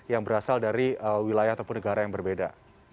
yang berasal dari wilayah ataupun negara yang berbeda